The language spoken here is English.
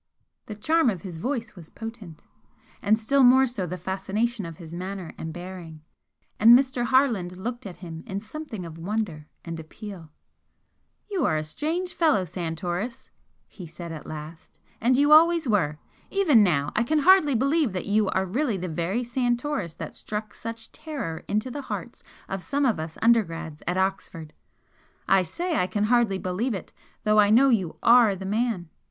The charm of his voice was potent and still more so the fascination of his manner and bearing, and Mr. Harland looked at him in something of wonder and appeal. "You are a strange fellow, Santoris!" he said, at last, "And you always were! Even now I can hardly believe that you are really the very Santoris that struck such terror into the hearts of some of us undergrads at Oxford! I say I can hardly believe it, though I know you ARE the man.